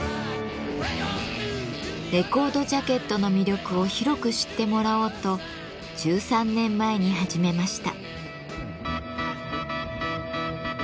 レコードジャケットの魅力を広く知ってもらおうと１３年前に始めました。